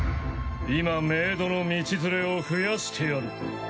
今冥土の道連れを増やしてやる。